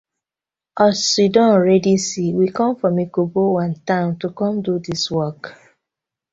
As yu don already see, we com from Ekoboakwan town to com to do dis work.